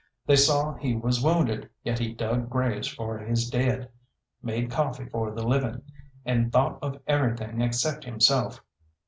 They saw he was wounded, yet he dug graves for his dead, made coffee for the living, and thought of everything except himself.